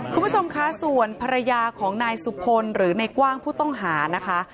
คุณผู้ชมคะส่วนภรรยาของนายสุพลหรือในกว้างผู้ต้องหานะคะ